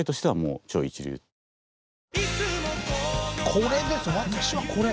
これです私はこれ。